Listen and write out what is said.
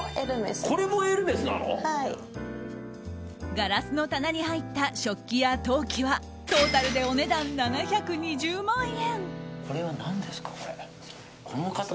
ガラスの棚に入った食器や陶器はトータルでお値段７２０万円。